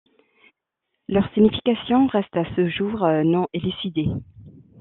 Leur signification reste à ce jour non élucidée.